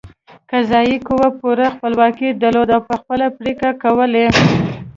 قضايي قوه پوره خپلواکي درلوده او په خپله پرېکړې کولې.